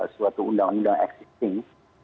suatu undang undang existing